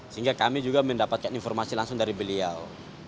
sehingga kami juga mendapatkan informasi langsung dari beliau